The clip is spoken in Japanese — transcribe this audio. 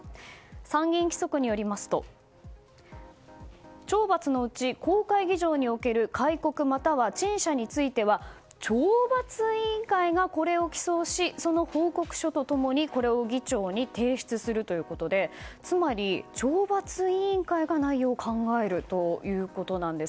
参議院規則によりますと懲罰のうち公開議場における戒告または陳謝については懲罰委員会がこれを起草しその報告書と共に、これを議長に提出するということでつまり、懲罰委員会が内容を考えるということです。